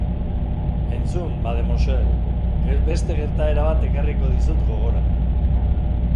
Entzun, Mademoiselle, beste gertaera bat ekarriko dizut gogora.